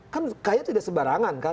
kan kaya tidak sebarangan kan